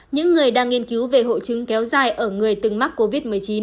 những người đang nghiên cứu về hội chứng kéo dài ở người từng mắc covid một mươi chín